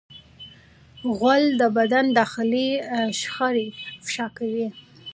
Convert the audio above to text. غول د بدن داخلي شخړې افشا کوي.